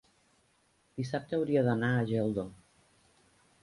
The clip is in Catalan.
Dissabte hauria d'anar a Geldo.